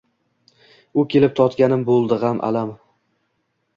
U kelib totganim bo’ldi g’am, alam